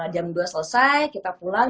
jam dua selesai kita pulang